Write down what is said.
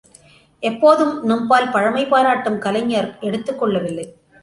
எப்போதும் நம்பால் பழமை பாராட்டும் கலைஞர் எடுத்துக்கொள்ளவில்லை.